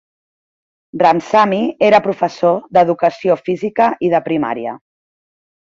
Ramsamy era professor d'educació física i de primària.